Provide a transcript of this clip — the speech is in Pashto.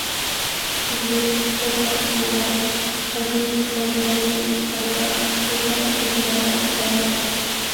سپوږمۍ، سپږه، موږک، غږیز، غوږ والۍ، خَږا، شَږ، ږېرور سړی